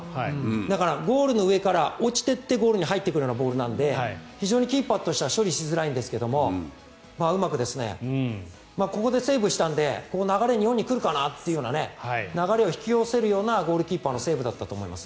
だからゴールの上から落ちていってゴールに入ってくるようなボールなので非常にキーパーとしては処理しづらいんですがうまく、ここでセーブしたので流れが日本に来るかなという流れを引き寄せるようなゴールキーパーのセーブだったと思います。